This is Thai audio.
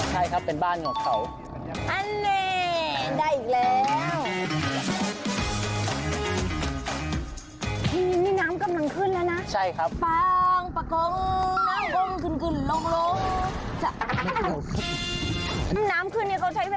ใช่ครับเป็นบ้านของเขา